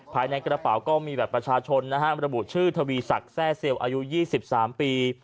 ภายในกระเป๋าก็มีแบบประชาชนนะฮะระบุชื่อทวีสักแซ่เซียวอายุยี่สิบสามปี